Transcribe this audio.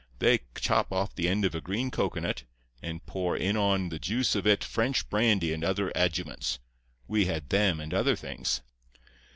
They chop off the end of a green cocoanut, and pour in on the juice of it French brandy and other adjuvants. We had them and other things.